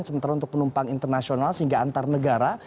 sementara untuk penumpang internasional sehingga antar negara